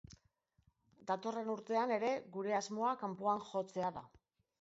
Datorren urtean ere gure asmoa kanpoan jotzea da.